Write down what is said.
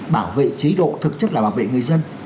bảo vệ chế độ thực chất là bảo vệ người dân